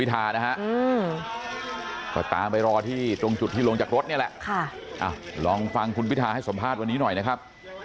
ต่างไปรอตรงที่ลงจากรถลองฟังให้ศัมภาษณ์วันนี้หน่อยนะครับ